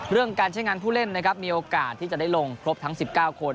เรื่องการใช้งานผู้เล่นมีโอกาสที่จะได้ลงครบทั้ง๑๙คน